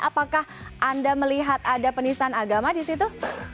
apakah anda melihat ada penistaan agama di situ